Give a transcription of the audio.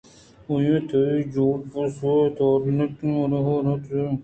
آئی ءَ تئی جور پسوئی ءَ تورینتگ ءُمن پہ مّنت ءُزاری واتر آورتگاں